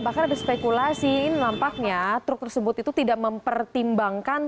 bahkan ada spekulasi ini nampaknya truk tersebut itu tidak mempertimbangkan